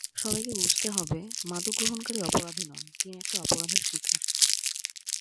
সবাইকে বুঝতে হবে, মাদক গ্রহণকারী অপরাধী নন, তিনি একটা অপরাধের শিকার।